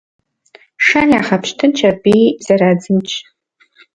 Шэр ягъэпщтынщ аби зэрадзынщ.